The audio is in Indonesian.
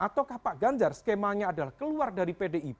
ataukah pak ganjar skemanya adalah keluar dari pdip